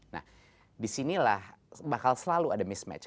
nah disinilah bakal selalu ada mismatch